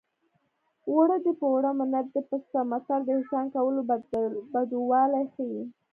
اوړه دې په اوړه منت دې په څه متل د احسان کولو بدوالی ښيي